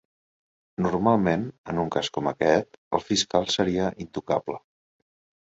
Normalment, en un cas com aquest, el fiscal seria intocable.